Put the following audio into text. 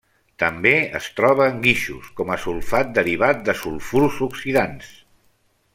També es troba en guixos, com a sulfat derivat de sulfurs oxidants.